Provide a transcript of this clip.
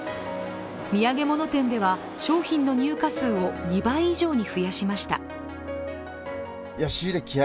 土産物店では、商品の入荷数を２倍以上に増やしました。